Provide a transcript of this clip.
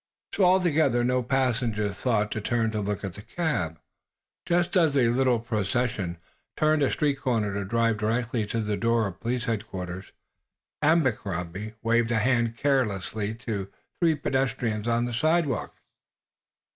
So, altogether, no passersby thought to turn to look after the cab. Just as the little procession turned a street corner to drive direct to the door of police headquarters, Abercrombie waved a hand carelessly to three pedestrians on the sidewalk.